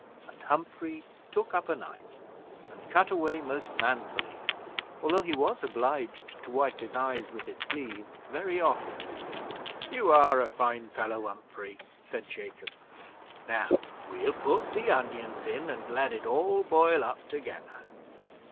And Humphrey took up a knife, and cut away most manfully, although he was obliged to wipe his eyes with his sleeve very often. "You are a fine fellow, Humphrey," said Jacob. "Now we'll put the onions in, and let it all boil up together.